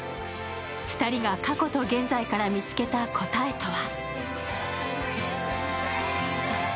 ２人が過去と現在から見つけた答えとは。